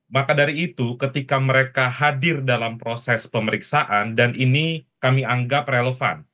maka dari itu ketika mereka hadir dalam proses pemeriksaan dan ini kami anggap relevan